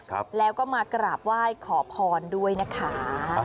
ครับแล้วก็มากราบไหว้ขอพรด้วยนะคะ